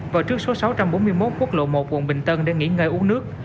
và trước số sáu trăm bốn mươi một quốc lộ một quận bình tân để nghỉ ngơi uống nước